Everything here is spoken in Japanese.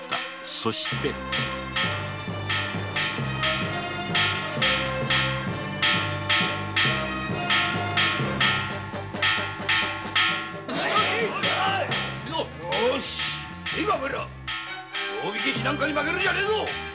そして行くぞ「定火消し」なんかに負けるんじゃねえぞ‼